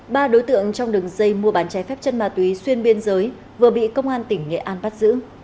ba đối tượng trong đường dây mua bán trái phép chân ma túy xuyên biên giới vừa bị công an tỉnh nghệ an bắt giữ